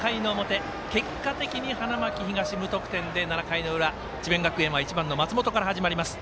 結果的に花巻東、無得点で７回の裏、智弁学園は１番の松本から始まります。